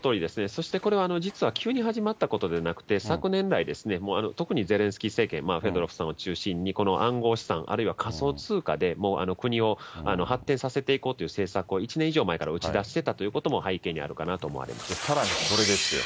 そしてこれ、実は急に始まったことでなくて、昨年来、特にゼレンスキー政権、フェドロフさんを中心に、この暗号資産、あるいは仮想通貨で国を発展させていこうという政策を、１年以上前から打ち出してたということも背景にあるかなと思われさらに、これですよ。